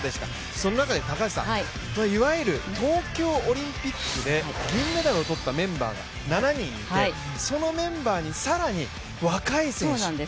その中でいわゆる東京オリンピックで銀メダルをとったメンバーが７人いてそのメンバーに更に若い選手。